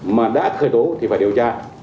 mà đã khởi tổ thì phải khởi tổ